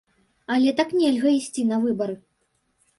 Але так нельга ісці на выбары.